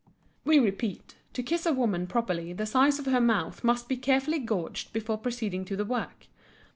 We repeat, to kiss a woman properly the size of her mouth must be carefully gauged before proceeding to the work.